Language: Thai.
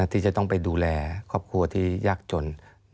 ที่จะต้องไปดูแลครอบครัวที่ยากจน